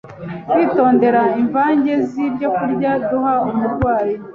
Kwitondera imvange z’ibyokurya duha umurwayi